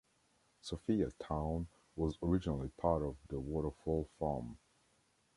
Sophiatown was originally part of the Waterfall farm.